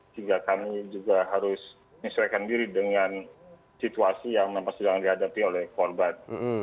sehingga kami juga harus menyesuaikan diri dengan situasi yang memang sedang dihadapi oleh korban